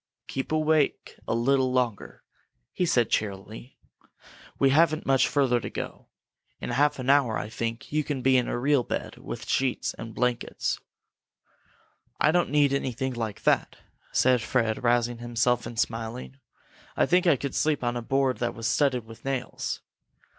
"Keep awake a little longer," he said, cheerily. "We haven't very much further to go. In half an hour, I think, you can be in a real bed, with sheets and blankets." "I don't need anything like that," said Fred, rousing himself and smiling. "I think I could sleep on a board that was studded with nails!